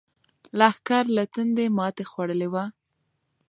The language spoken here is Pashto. لښکر له تندې ماتې خوړلې وه.